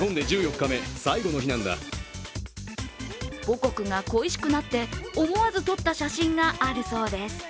母国が恋しくなって思わず撮った写真があるそうです。